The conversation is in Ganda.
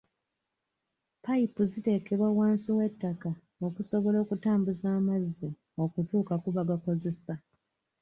Payipu ziteekebwa wansi w'ettaka okusobola okutambuza amazzi okutuuka ku bagakozesa.